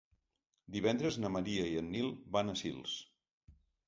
Divendres na Maria i en Nil van a Sils.